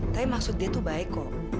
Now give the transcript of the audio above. tapi maksud dia tuh baik kok